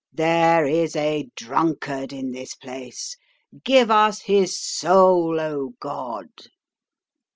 There is a drunkard in this place. Give us his soul, O God!